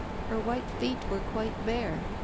Her white feet were quite bare. ...